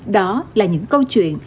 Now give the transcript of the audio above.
đó là những câu chuyện